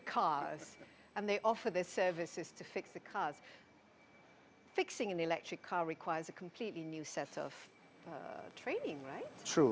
dan juga untuk membaiki baterai ac atau barang elektrik ini berbeda dengan bus konvensional